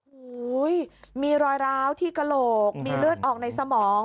โอ้โหมีรอยร้าวที่กระโหลกมีเลือดออกในสมอง